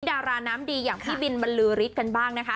ดาราน้ำดีอย่างพี่บินบรรลือฤทธิ์กันบ้างนะคะ